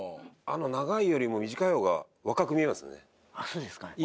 あの長いよりも短い方が若く見えますね